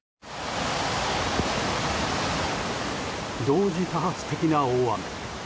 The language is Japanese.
同時多発的な大雨。